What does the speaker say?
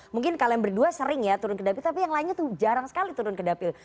mungkin kalian berdua sering ya turun ke dapil tapi yang lainnya tuh jarang sekali turun ke dapil